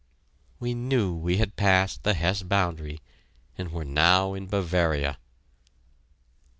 We knew we had passed the Hesse boundary, and were now in Bavaria.